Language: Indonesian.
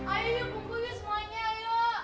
ayo yuk bungku yuk semuanya ayo